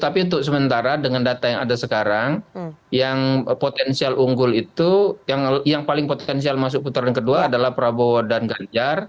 tapi untuk sementara dengan data yang ada sekarang yang potensial unggul itu yang paling potensial masuk putaran kedua adalah prabowo dan ganjar